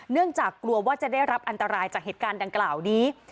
เนื่องจากกลัวว่าจะได้รับอันตรายจากเหตุการณ์ดังกล่าวนี้